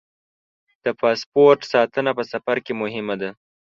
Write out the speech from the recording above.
د پاسپورټ ساتنه په سفر کې مهمه ده.